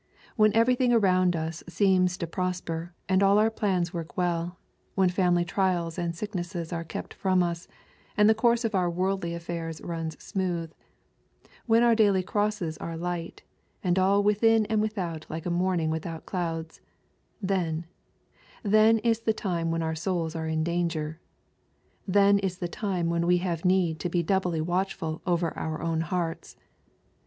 When everything around us seems to prosper, and all our plans work well, — when family trials and sicknesses are kept from us, and the course of our worldly affairs runs smooth, — when our daily crosses are light, and all within and without like a morning without clouds, — then, then is the time when our souls are in danger 1 Then is the time when we have need to be doubly watchful over our own hearts.